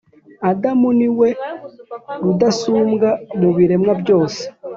Adamu ni we rudasumbwa mu biremwa byose.